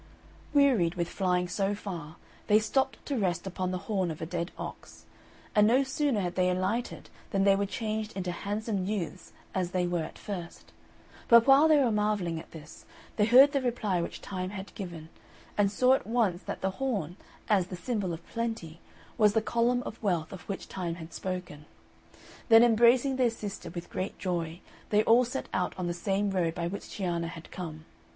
Wearied with flying so far, they stopped to rest upon the horn of a dead ox; and no sooner had they alighted than they were changed into handsome youths as they were at first. But while they were marvelling at this, they heard the reply which Time had given, and saw at once that the horn, as the symbol of plenty, was the column of wealth of which Time had spoken. Then embracing their sister with great joy, they all set out on the same road by which Cianna had come.